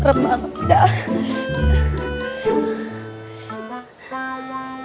serem banget tidak